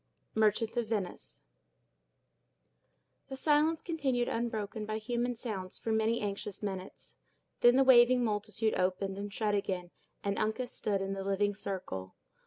—Merchant of Venice The silence continued unbroken by human sounds for many anxious minutes. Then the waving multitude opened and shut again, and Uncas stood in the living circle.